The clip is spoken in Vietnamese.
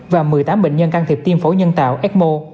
và một mươi tám bệnh nhân can thiệp tiêm phổ nhân tạo ecmo